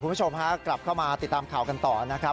คุณผู้ชมฮะกลับเข้ามาติดตามข่าวกันต่อนะครับ